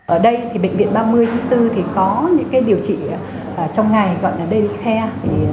ở đây thì bệnh viện ba mươi tháng bốn thì có những cái điều trị trong ngày gọi là daily care